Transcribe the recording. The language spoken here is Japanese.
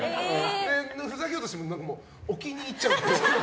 ふざけようとしても置きにいっちゃう。